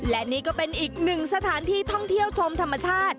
และนี่ก็เป็นอีกหนึ่งสถานที่ท่องเที่ยวชมธรรมชาติ